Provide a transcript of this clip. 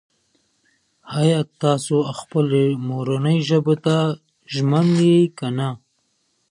ټولنيز علوم د انسان چلند او پايلي ارزوي.